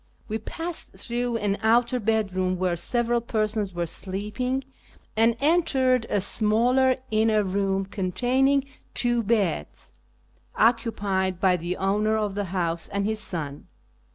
We passed through an outer bedroom where several persons were sleeping, and entered a smaller inner room containing two beds, occupied by the owner of the house and his son.